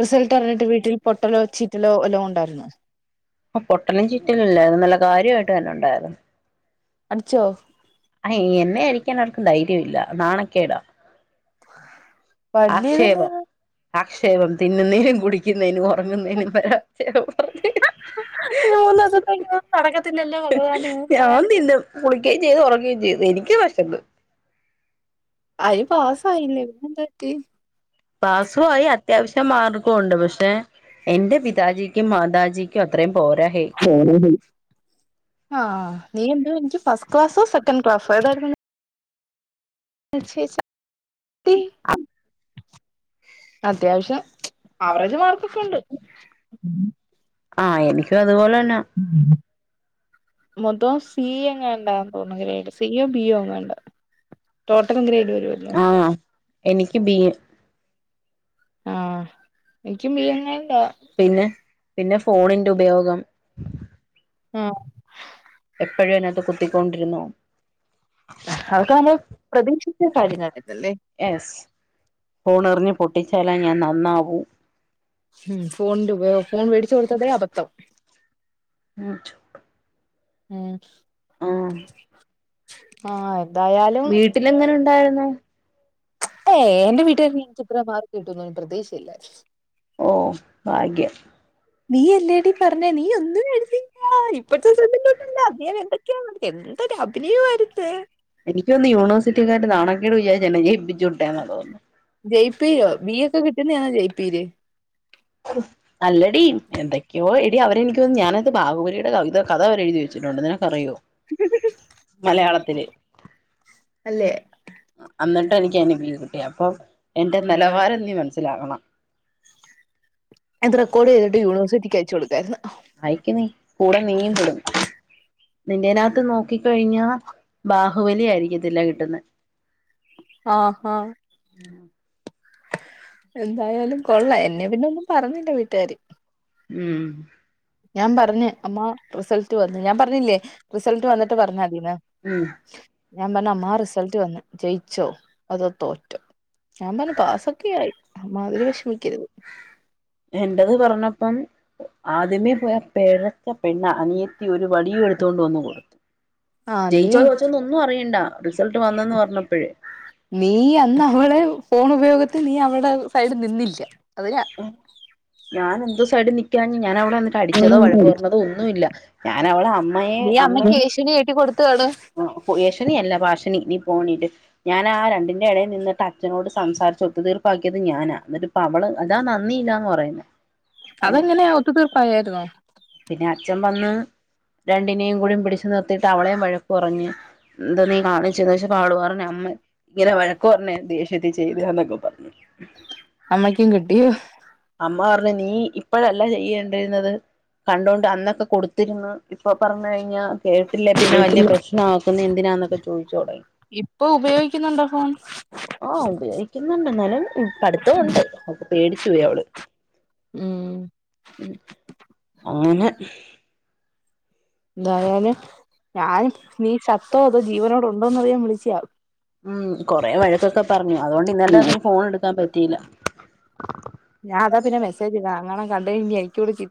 റിസൾട്ടറിഞ്ഞിട്ട് വീട്ടിൽ പൊട്ടലോ ചീറ്റലോ വല്ലവും ഉണ്ടായിരുന്നോ? പൊട്ടലും ചിറ്റലുല്ലായിരുന്നു നല്ല കാര്യായിട്ട് തന്നെ ഉണ്ടായിരുന്നു. അടിച്ചോ ഹയ് എന്നെ അരിക്കാൻ ആർക്കും ധൈര്യ ഇല്ല നാണക്കേടാ. തല്ലിയതെന്തോന്നാ ആക്ഷേപം തിന്നുന്നേനും കുടിക്കുന്നേനും ഒറങ്ങുന്നേനും വരെ ആക്ഷേപം [unintelligible] മൂന്നൂസത്തേക്കിതൊന്നും നടക്കത്തില്ലല്ലോ ഭഗവാനെ ന്നും കുളിക്കുകയും ചെയ്ത് ഒറങ്ങുകയും ചെയ്ത് എനിയ്ക്ക് വെശന്ന് അയി പാസായില്ലേ പിന്നെന്തു പറ്റി പാസുആയി അത്യാവശ്യം മാർക്കുണ്ട് പക്ഷെ എൻ്റെ പിതാജിയ്ക്കും മാതാജിയ്ക്കും അത്രയും പോരാ ഹേ [unintelligible] ഹാ നീ എന്തോ [unintelligible] ഫസ്റ്റ് ക്ലാസോ സെക്കൻ ക്ലാസ്സോ ഏതാര്ന്ന് ല്ല ശേഷം ടി അത്യാവശ്യം ആവറേജ് മാർക്കൊക്കെണ്ട് ആഹ്, എനിയ്ക്കു അതുപോലന്നാ ഉം മൊത്തോം സി എങ്ങണ്ടാന്ന് തോണ് ഗ്രേയ്ഡ് സി യൊ ബി യൊ എങ്ങാണ്ടാ ടോട്ടലും ഗ്രേയ്ഡ് വരുവല്ലോ, ആഹ് എനിയ്ക്ക് ബീയ് ആഹ്, എനിയ്ക്കും ബി യെന്നെ കാ പിന്നെ [unintelligible] ആഹ് എപ്പഴും അതിനകത്ത് കുത്തിക്കൊണ്ടിരുന്നോവും ഹഹ്, അതൊക്കെ നമ്മള് പ്രതീക്ഷിച്ച കാര്യങ്ങളായിതല്ലേ എസ് ഫോണെറിഞ്ഞ് പൊട്ടിച്ചാലേ ഞാൻ നന്നാവൂ ഉം, ഫോണിന്റെ ഉപയോ ഫോൺ വേടിച്ചു കൊടുത്തതേ അബത്തം ഉം മ്, ആഹ് ആഹ് എന്തായാലും വീട്ടിലെങ്ങനാ അര്ന്ന് എഏയ് എന്റെ വീട്ടുകാര് [unintelligible] എനിയ്ക്ക് ഇത്രെ മാർക്ക്‌ കിട്ടോന്നൊന്ന് പ്രതീക്ഷിച്ചില്ല. ഓഹ് ഭാഗ്യം നീ എല്ലേടി പറഞ്ഞെ നീ ഒന്ന്നും എഴുതീല്ലാ ഇപ്പഴ്ത്തെ [unintelligible] അദ്ദേഹം എന്തൊക്കെയാ നട് എന്തൊര അഭി എനിയ്ക്ക് തോന്ന്ന്ന് യൂണിവേഴ്സിറ്റിക്കാര് നാണക്കേട് വിചാരിച്ച് എന്നെ ജയിപ്പിച്ചു വിട്ടേന്നാ തോന്ന്ന്നേ ജയ്പീരോ ബി ഒക്കെ കിട്ടുന്നയാണോ ജയ്പീര് [unintelligible] അല്ലടീ എന്തെക്ക്യോ എടി അവരെ എനിക്ക് തോന്ന്ന്ന് ഞാനാത്ത് ബാഹുവലിടെ കവിത കഥ വരെ എഴുതി വെച്ചിട്ടുണ്ട് നിനക്ക് അറിയോ മലയാളത്തില് അല്ലേ അ അന്നിട്ടെനിയ്ക്ക് അയ്ന് ബി കിട്ട്യെ, അപ്പം എന്റെ നെലവാരം നീ മൻസ്സിലാക്കണം. ഇത് റെക്കോർഡ് ചെയ്തിട്ട് യൂണിവർസിറ്റിക്ക് അയച്ച് കൊട്ക്കാര്ന്ന്. അയയ്ക്ക് നീ കൂടെ നീയും പെടും. നിന്റേനാകത്ത് നോക്കിക്കഴിഞ്ഞാ ബാഹുബലി ആയിരിയ്ക്കത്തില്ല കിട്ടുന്നെ. ഹാ ഹാഹ് ഉം എന്തായാലും കൊള്ളാം എന്നെ പിന്നെ ഒന്നും പറഞ്ഞില്ല വീട്ടുകാര് ഉം ഞാൻ പറഞ്ഞ് അമ്മ റിസൾട്ട് വന്നു ഞാൻ പറഞ്ഞില്ലേ റിസൾട്ട് വന്നിട്ട് പറഞ്ഞാതീന്ന് ഉം [unintelligible] ഞാൻ പറഞ്ഞ് അമ്മാ റിസൾട്ട് വന്നു ജയിച്ചോ അതോ തോറ്റോ ഞാൻ പറഞ്ഞ് പാസ് ക്കെയായി അമ്മാതിരി വിഷമിക്കരുത് എൻ്റത് പറഞ്ഞപ്പം ആദ്യമേ പോയ പ പിഴക്ക പെണ്ണ അനിയത്തി ഒരു വടിയും എടുത്തോണ്ട് വന്നു കൊടുത്തു ആഹ് നീ ജയിച്ചോ തോച്ചൊന്ന് ഒന്നും അറിയണ്ട റിസൾട്ട് വന്നന്ന് പറഞ്ഞപ്പഴേ നീ അന്ന് അവളെ ഫോൺ ഉപയോഗത്തിൽ നീ അവടെ സൈഡ് നിന്നില്ല അതിനാ ഞാൻ എന്തോ സൈഡ് നിക്കാഞ്ഞ് ഞാന് അവിടെ വന്നിട്ട് അടിച്ചതോ വഴക്കു പഞ്ഞതോ ഒന്നുല്ല നീ അമ്മക്ക് ഏഷണി കേറ്റി കൊടുത്തുകാണും ആ യേശണി അല്ല ഭാഷണി നീ പോണീട്ട് ഞാൻ ആ രണ്ടി എടേൽ നിന്നിട്ട് അച്ഛനോട് സംസാരിച് ഒത്തുതീർപ്പാക്കിയത് ഞാനാ എന്നിട്ട് അവള് അതാ നന്ദിയില്ലാന്ന് പറയുന്നത് അതെങ്ങനെയാ ഒത്തു തീർപ്പായാര്ന്നോ പിന്നെ അച്ഛൻ വന്ന് രണ്ടിനേം കൂടെ പിടിച്ച് നിർത്തിയിട്ട് അവളേയും വഴക്ക് പറഞ്ഞ് എന്താ നീ കാണിച്ചെന്ന് ചോയിച്ചപ്പോ അവളു പറഞ്ഞ് അമ്മ ഇങ്ങനെ വഴക്കു പറഞ്ഞ ദേഷ്യ ഷ്യതി ചെയ്തതാന്നൊക്കെ പറഞ്ഞു അമ്മക്കും കിട്ടി അമ്മ പറഞ്ഞു നീ ഇപ്പഴല്ല ചെയ്യേണ്ടിരുന്നത് കണ്ടോണ്ട് അന്നൊക്കെ കൊടുത്തിര്ന്ന് ഇപ്പൊ പറഞ്ഞു കഴിഞ്ഞാൽ കേട്ടില്ലേ പിന്നെ വല്യ പ്രശ്നം നാക്കുന്നെ എന്തിനാന്നൊക്കെ ചോദിച്ചൊടങ്ങി ഇപ്പൊ ഉപയോഗിക്കുന്നുണ്ടോ ഫോൺ ആഹ് ഉപയോഗിക്കുന്നുണ്ട് എന്നാലും പഠിത്തം ഉണ്ട് അപ്പൊ പേടിച്ചു പോയി അവള് ഉം ഉം അങ്ങനെ എന്തായാലും ഞാൻ നീ ചത്തോ അതോ ജീവനോടു ഉണ്ടോന്ന് അറിയാൻ വിളിച്ചയാ ഉം കൊറെേ വഴക്കൊക്കെ പറഞ്ഞു അതുകൊണ്ട് ഇന്നലെ രാത്രി ഫോൺ എടുക്കാൻ പറ്റിയില്ല ഞാൻ അതാ പിന്നെ മെസേജ് ഇടാ അത്‌ എങ്ങാനും കണ്ട് കഴിഞ്ഞാ എനിക്കൂടി ച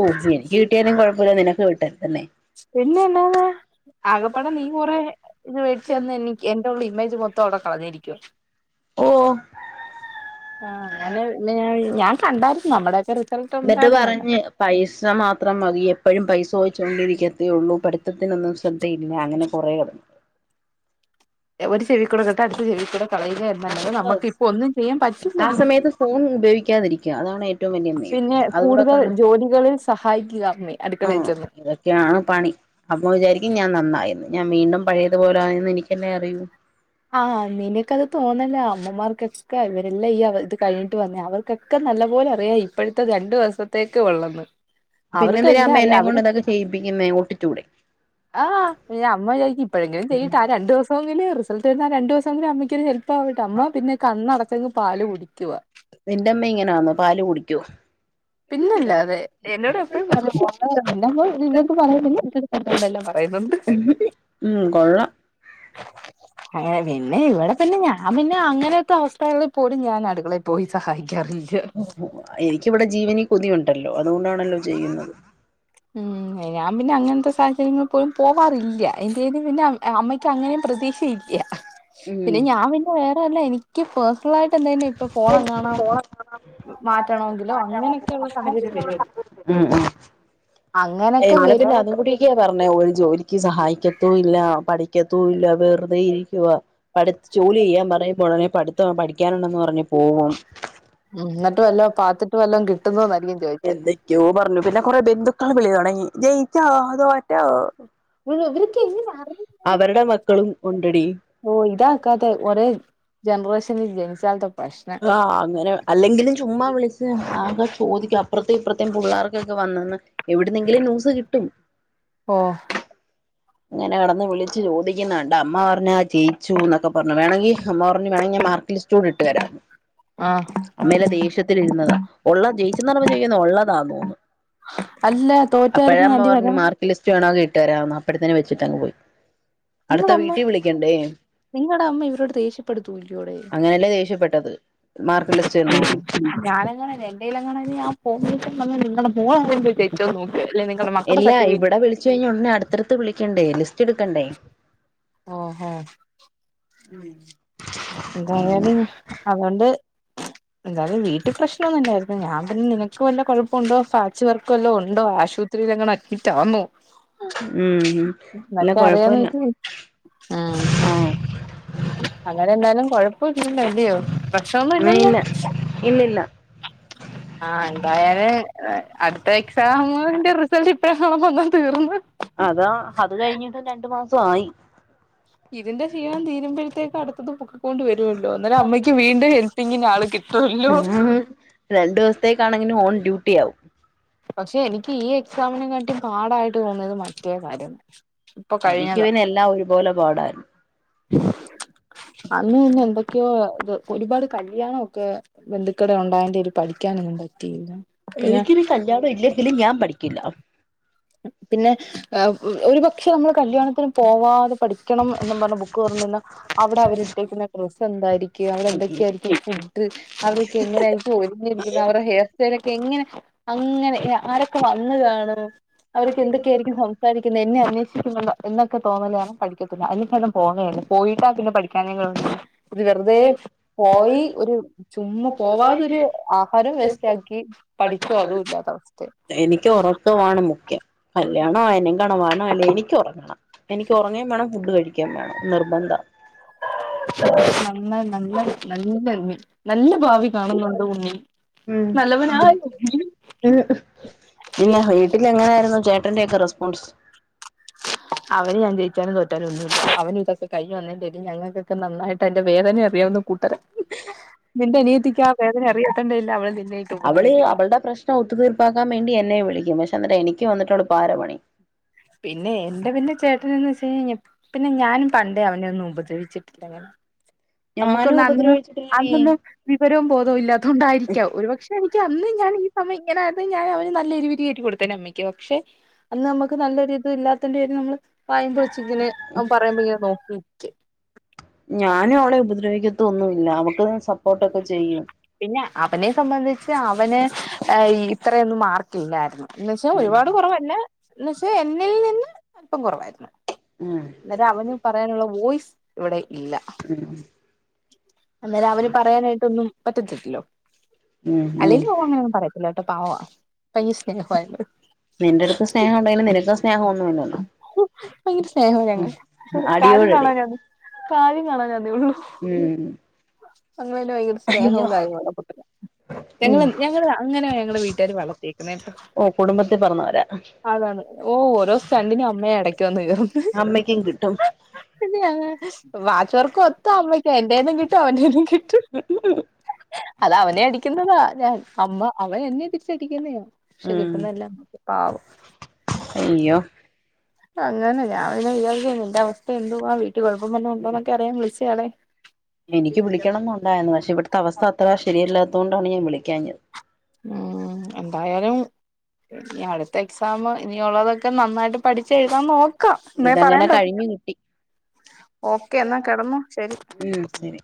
ഓ എനിക്ക് കിട്ടിയാലും കുഴപ്പല്ല നിനക്ക് കിട്ടരുത് അല്ലേ പിന്നെ അല്ലാതെ ആകപാടെ നീ കൊറേ ഇത് വെച്ച് തന്ന് എനീ എന്റെ ഉള്ള ഇമേജ് മൊത്തം അവിടെ കളഞ്ഞിരിക്കുവാ ഓ ആഹ് അങ്ങനെ ഞാൻ കണ്ടാരുന്നു നമ്മുടെയൊക്കെ റിസൾട്ട് എന്നിട്ട് ഉണ്ടായിരുന്നല്ലോ പറഞ്ഞ് പൈസ മാത്രം മതി എപ്പഴും പൈസ ചോയിച്ചോണ്ടിരിക്കത്തേ ഉള്ളൂ പഠ ഠിത്തത്തിനൊന്നും ശ്രദ്ധ ഇല്ല അങ്ങനെ കുറേ പറഞ്ഞു ഒരു ചെവിക്കൂടെ കേട്ട് അടുത്ത ചെവിക്കൂടെ കളയുക എന്ന അല്ലാതെ നമുക്ക് ഇപ്പോ ഒന്നും ചെയ്യാൻ പറ്റില്ല ആ സമയത്ത് ഫോൺ ഉപയോഗിക്കാതിരിക്ക അതാണ് ഏറ്റവും വലിയ മെയിൻ അതുകൂടെ ക സഹായിക്കു അമ്മേ അടുക്കളയിൽ ആഹ് ചെന്ന് ഇതൊക്കെയാണ് പണി അപ്പൊ വിചാരിക്കും ഞാൻ നന്നായെന്ന് ഞാൻ വീണ്ടും പഴയതുപോലെ ആയെന്ന് എനിക്കല്ലെ അറിയൂ ആഹ് നിനക്കത് തോന്നലാ അമ്മമാർക്കൊക്കെ ഇവരെല്ലാം ഈ ഇത് കഴിഞ്ഞിട്ട് വന്ന അവർക്കൊക്കെ ക്കെ നല്ല പോലെ അറിയാം ഇപ്പഴത്തെ രണ്ടു ദിവസത്തേക്കേ ഒള്ളന്ന് പിന്നെന്തിനാ അമ്മ എന്നെ കൊണ്ട് അതൊക്കെ ചെയ്യിപ്പിക്കുന്നേ ഒട്ടിച്ചൂടെ ആഹ് അമ്മ വിചാരിക്കും ഇപ്പോഴെങ്കിലും ചെയ്യട്ട് ആ രണ്ട് ദിവസം ങ്കില് റിസൾട്ട് വരുന്ന രണ്ട ദിവസംകൂടെ അമ്മയ്ക്ക് ഒരു ഹെൽപ്പ് ആവട്ട് അമ്മ പിന്നെ കണ്ണടച്ചങ് പാല് കുടിക്കുവാ നിൻ്റെമ്മ ഇങ്ങനെ ആന്നോ പാല് കുടിക്കോ? പിന്നല്ലാതെ എന്നോട് എപ്പഴും പറയും നിന്റെ അമ്മ നിന്റെ അടുത്ത് പറയുന്നുണ്ടെങ്കി എന്റെ അമ്മ എന്റെ അടുത്തും എല്ലാം പറയുന്നുണ്ട്. ഉം കൊള്ളാം. [unintelligible] അങ്ങനെ പിന്നെ ഇവിടെ തന്നെ ഞാൻ പിന്നെ അങ്ങനെത്തെ അവസ്ഥകളിൽ പോലും ഞാൻ അടുക്കളെ പോയി സഹായിക്കാറില്ല. ആഹ് എനിക്കിവിടെ ജീവനിൽ കൊതിയുണ്ടല്ലോ അതുകൊണ്ടാണല്ലോ ചെയ്യുന്നത്. ഉം ഞാൻ പിന്നെ അങ്ങനത്തെ സാഹചര്യങ്ങളിൽ പോലും പോവാറില്ല. എന്റെന്ന് പിന്നെ അമ്മയ്ക്ക് അങ്ങനെയും പ്രതീക്ഷ ഇല്ല. ഉം പിന്നെ ഞാൻ പിന്നെ വേറെവല്ല എനിക്ക് പേഴ്സണലായിട്ട് എന്തേലും ഇപ്പ പോണം കാണണം അങ്ങനെയൊക്കെയുള്ള സാഹചര്യം വരുമല്ലോ ഉം ഉം അങ്ങനൊക്കെ എന്നാലും വരും പിന്നെ അതും കൂടെക്കെ പറഞ്ഞേ ഒരു ജോലി സഹായിക്കത്തൂല്ല പഠിക്കത്തൂല്ല വെറുതെ ഇരിക്കുവ. പഠി ജോലി ചെയ്യാൻ പറയുമ്പോഴാണേ ഉടനെ പഠിത്തം പഠിക്കാനുണ്ടെന്ന് പറഞ് പോവും. ഉം എന്നിട്ട് വല്ലോം പാത്തിട്ടും വല്ലതും കിട്ടുന്നോന്നായിരിക്കും ചോയിച്ചെ യൂബെറിനു പിന്നെ കുറെ ബന്ധുക്കൾ വിളി തുടങ്ങി ജയിച്ചോ തോറ്റോ ഇവ ഇവർക്ക് എങ്ങനെ അറിയ അവരുടെ മക്കളും ഉണ്ടെടി ഓഹ് ഇതാക്കാതെ ഒരേ ജനറേഷനിൽ ജനിച്ചാൽത്തെ കൊ ആഹ് അങ്ങനെ അല്ലെങ്കിലും ചുമ്മാ വിളിച്ച് ആൾക്കാര് ചോദിക്കും അപ്പുറത്തേം ഇപ്പുറത്തേം പുള്ളാർ വന്നന്ന് എവിടുന്നെങ്കിലും ന്യൂസ് കിട്ടും ഓഹ് അങ്ങനെ കെടന്ന് വിളിച്ചു ചോദിക്കുന്നകണ്ട് അമ്മ പറഞ്ഞു ആഹ് ജയിച്ചുന്നൊക്കെ പറഞ്ഞു വേണെങ്കി അമ്മ പറഞ്ഞു വേണെങ്കില് ഞാൻ മാർക്ക് ലിസ്റ്റ് കൂടെ ഇട്ടുതരാം ആഹ് അമ്മെയെല്ലാം ദേഷ്യത്തില് ഇരുന്നതാ ഒള്ള ജയിച്ചന്നറിഞ്ഞപ്പോ ചോയ്ക്കുന്നെ ഒള്ളതാണോന്ന്. അല്ല അപ്പഴാ തോറ്റായിരുന്ന അമ്മ ആന്റി പറഞ്ഞത് വരാം മാർക്ക് ലിസ്റ്റ് വേണങ്കി ഇട്ടുതരാന്ന്. അപ്പഴത്തന്നെ വെച്ചിട്ടങ് പോയി. അടുത്ത നിങ്ങടമ്മേ? വീട്ടിൽ വിളിക്കണ്ടേ നിങ്ങടെ അമ്മ ഇവരോട് ദേഷ്യപ്പെടുത്തൂല്ലോടെ? അങ്ങനെയല്ലേ ദേഷ്യപ്പെട്ടത് മാർക്ക് ലിസ്റ്റ് തരണോന്ന് ഞാനെങ്ങാനും ആയിരുന്നെ എന്റെലെങ്ങാനും ആയിരുന്നെങ്കി ഞാൻ ആ ഫോൺ മേടിച് [unintelligible] നിങ്ങടെ മോളെ നിങ്ങള് പോയി ജയിച്ചോന്ന് നോക്ക് അല്ലെങ്കി നിങ്ങടെ മക്കള്ടെ സർട്ടിഫിക്കറ്റ് ഇത്‌ കഴിഞ്ഞ ഉടനെ അടുത്തടുത്ത് വിളിക്കണ്ടേ ലിസ്റ്റ് എടുക്കണ്ടേ. ഓഹോ എന്തായാലും അതൊണ്ട് [unintelligible] എന്തായാലും വീട്ടി പ്രശ്നോന്നുല്ലായിര്ന്ന്. ഞാൻ പിന്നെ നിനക്ക് വല്ല കൊഴപ്പൊണ്ടോ പാച്ച് വർക്ക് വല്ലോം ഒണ്ടോ ആശു പത്രീലെങ്ങാനും അഡ്മിറ്റാന്നൊ ഉം ഇല്ല കൊഴപ്പോല്ല ആഹ് അങ്ങനെങ്ങാനും കൊഴപ്പോല്ലല്ലോല്ല്യോ പ്രശ്നൊന്നും ഉം ഇല്ലല്ലോ? ഇല്ല ഇല്ലില്ല [unintelligible] ആഹ്, എന്തായാലും അടുത്ത എക്സാമിന്റെ റിസൾട്ട് ഇപ്പഴാണങ്ങാനും വന്ന തീർന്ന്. അതാ അത് കഴിഞ്ഞിട്ടും രണ്ട് മാസമായി. ഇതിന്റെ ക്ഷീണം തീരുമ്പഴത്തേക്ക് അടുത്തത് ബു ക്കുംകൊണ്ട് വരുവല്ലോ. അന്നരം അമ്മയ്ക്ക് വീണ്ടും ഹെൽപിങ്ങിന് ആളളെ കിട്ടുവല്ലോ. രണ്ടോസത്തെക്കാണെങ്കിലും ഓൺ ഡ്യൂ പക്ഷെ എനിക്ക് ഈ എക്സാമിനെകാട്ടിം പാടായിട്ട് തോന്നിയത് മറ്റേ കാര്യം എനിക്ക് പിന്നെ എല്ലാം ഒരുപോലെ പാടായിരുന്നു. അന്ന് പിന്നെ എന്തൊക്കെയോ ഇത് ഒരുപാട് കല്യാണോക്കെ ബന്ധുക്കടെ ഒണ്ടായൊണ്ട് ഇരിന്ന് പഠിക്കാനൊന്നും പറ്റിയില്ല പിന്നെ എനിക്കിനി കല്യാണം ഇല്ലെങ്കിലും ഞാൻ പഠിക്കില്ല പിന്നെ ഒരുപക്ഷെ നമ്മള് കല്യാണത്തിന് പോവാതെ പഠിക്കണം എന്നും പറഞ്ഞു ബുക്ക് തുറന്നിരുന്ന അവിടെ അവരിട്ടേക്കുന്ന ഡ്രസ്സ് എന്തായിരിക്കും അവിടെ എന്തൊക്കെയായിരിക്കും ഫുഡ് അവരൊക്കെ എങ്ങനെയായിരിക്കും ഒരുങ്ങിയിരിക്കുന്നെ അവരുടെ ഹെയർ സ്റ്റൈലൊക്കെ എങ്ങനെ അങ്ങനെ ആരൊക്കെ വന്ന് കാണും അവരൊക്കെ എന്തൊക്കെയാരിക്കും സംസാരി ക്ക്‌ന്നെ പിന്നെ എന്നെ അന്വേഷിക്കുന്നുണ്ടോ എന്നൊക്കെ തോന്നലാരണം പഠിക്കത്തില്ല അതില് ഭേദം പോന്നെ അല്ലെ പോയിട്ടാ പിന്നെ പഠിക്കാനെ തോന്നത്തില്ല ഒരു വെറുതെ പോയി ഒരു ചുമ്മാ പോവാതൊരു ആഹാരം വേസ്റ്റ് ആക്കി പഠിച്ച പഠിച്ചോ അതും പോലും ഇല്ല ഇല്ലാത്ത അവസ്ഥയാ എനിക്ക് ഒറക്കമാണ് മുഖ്യം കല്യാണായാലും കാളണമായാലും എനിക്ക് ഒറങ്ങണം എനിക്ക് എനിക്ക് ഒറങ്ങേം വേണം ഫുഡ് കഴിക്കേം വേണം നിർബന്ധ നല്ല നല്ല നല്ലരു മീൻ നല്ല ഭാവി കാണുന്നുണ്ട് കുഞ്ഞേ നല്ലവനായ ഉ പിന്നെ വീട്ടിലെങ്ങനായായിരുന്നു ചേട്ടന്റെക്കെ റെസ്പോൺസ് അവന് ഞാൻ ജയിച്ചാലും തോറ്റാലൊന്നുമില്ല അവനിതൊക്കെഴിഞ് വന്നേന്റെ പേരിൽ ഞങ്ങൾക്കെക്കെ നന്നായിട്ടയ്ന്റെ വേദന അറിയാവുന്നു കൂട്ടര നിന്റെനിയത്തിക്ക് ആ വേദന അറിയത്തേന്റെ പേരിലാ അവൾ നിന്നെയിട്ട് ഉപദ്രവിക്കുന്നെ ഒത്തു തീർപ്പാക്കാൻ വേണ്ടി എന്നെ വിളിക്കും പക്ഷെ അന്നിട്ട് എനിക്ക് വന്നിട്ടവള് പാരപണിയും പിന്നെ എന്റെ പിന്നെ ചേട്ടനന്ന് വെച്ച് കഴിഞാൽ പിന്നെ ഞാനും പണ്ടേ അവനെ ഒന്നും ഉദ്രവിച്ചിട്ടില്ലങ്ങനെ ഞാനും നമുക്കൊന്ന് അന്ന് ഉപദ്രവിച്ചിട്ടില്ലടി അന്നൊന്നും വിവരോം ബോധോം ഇല്ലാത്തോണ്ടായിരിക്കാം ഒരുപക്ഷെ എനിക്കന്ന് ഞാൻ ഈ സമയ ഇങ്ങനെ ആയിരുന്നെങ്കിൽ ഞാൻ അവന് നല്ല എരിപിരി കയറ്റി കൊടുത്തന അമ്മക്ക് പക്ഷെ അന്ന് നമുക്ക് നല്ലൊരിതും ഇല്ലാത്തെന്റെ പേരി നമ്മള് വായും പൊളിച്ചിങ്ങനെ അവൻ പറയുമ്പ ഇങ്ങനെ നോക്കിക്ക് ഞാനും അവളെ ഉപദ്രവിക്കത്തൊന്നുമില്ല അവൾക്ക് സപ്പോർട്ട്ക്കെ ചെയ്യും പിന്നെ അവനെ സംബന്ധിച്ച് അവന് ഇത്രയൊന്നും മാർക്കില്ലാരുന്ന് എന്ന് വെച്ചാ ഒരുപാട് കുറവന്നെ എന്ന് വച്ചാ എന്നിൽ നിന്ന് അല്പം കുറവായിരുന്നു ഉം അന്നേരം അവനു പറയാനുള്ള വോയ്സ് ഇവിടെ ഇല്ല ഉം. അന്നേരം അവന് പറയാനായിട്ട് ഒന്നും പറ്റത്തില്ലല്ലോ ഉം ഉം അല്ലേലും ഓങ്ങനൊന്നും പറയത്തില്ല കേട്ടോ പവാ പയ്യ സ്നേഹമാ എന്നോട് ങ്ങനെ ഒണ്ടായിരുന്ന് നിനക്കോ സ്നേഹം ഒന്നും ഇല്ലല്ലോ ഭയങ്കര സ്നേഹ ഞങ്ങൾ കാര്യം അടിയോടടി കാണാനാ ന്നെ കാര്യം കാണാനാന്നെ ഒള്ളു ഉം അങ്ങള് പിന്നെ ഭയങ്കര സ്നേഹവും അയ്യോ കാര്യവൊള്ള കുട്ടരാ ഞങ്ങള് ഞങ്ങള് അങ്ങനെയാ ഞങ്ങളെ വീട്ടുകാര് വളർത്തിയേക്കുന്നെ കേട്ടോ ഓ കുടുംബത്തിൽ പിറന്നവരാ അതാണ് ഓ ഓരോ സ്ണ്ടിനും അമ്മയാ ഇടക്ക്‌ വന്ന് കേറുന്നെ അമ്മയ്ക്കും കിട്ടും പിന്നെ വാച്ചോർക്ക്‌ മൊത്തം അമ്മയ്ക്ക എന്റെേന്നും കിട്ടും അവന്റെന്നും കിട്ടും അത് അവനെ അടിക്കുന്നതാ ഞാൻ അമ്മ അവൻ എന്നെ തിരിച്ചടിക്കുന്നെയ പക്ഷെ ഉം കിട്ടുന്നല്ലാം അമ്മക്ക് പാവം അയ്യോ അങ്ങനെ ഞാൻ പിന്നെ വിചാച്ച നിൻന്റെ അവസ്ഥ എന്തുവാ വീട്ടിൽ കുഴപ്പം വല്ലോണ്ടോന്നൊക്കെ അറിയാൻ വിളിച്ചയാടെ എനിക്ക് വിളിക്കണംന്ന് ഒണ്ടായിരുന്നു പക്ഷെ ഇവിടുത്തെ അവസ്ഥ അത്ര ശരിയല്ലാത്തുകൊണ്ടാണ് ഞാൻ വിളിക്കാഞ്ഞത് ആഹ് എന്തായാലും ഇനി അടുത്ത എക്സാമ് ഇനിയുള്ളതൊക്കെ നന്നായിട്ട് പഠിച്ചെഴുതാൻ നോ ക്കാം എന്നേ പറയാൻ ഇതങ്ങനെ പറ്റു കഴിഞ്ഞു കിട്ടി ഓക്കെ എന്നാ കെടന്നോ ശെരി ഉം ശരി